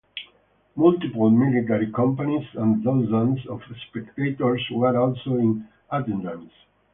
Multiple military companies and thousands of spectators were also in attendance.